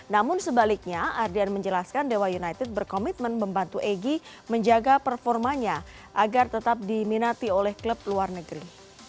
namun sebaliknya ardian menjelaskan dewa united berkomitmen membantu egy menjaga performanya agar tetap diminati oleh klub luar negeri